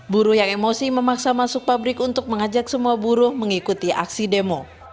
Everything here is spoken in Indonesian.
buruh yang emosi memaksa masuk pabrik untuk mengajak semua buruh mengikuti aksi demo